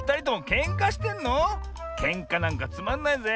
けんかなんかつまんないぜ。